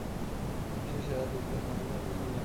বিশ্বের সেরা তিনজন মডেল মধ্যে তিনি একজন।